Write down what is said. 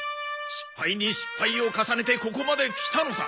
失敗に失敗を重ねてここまで来たのさ。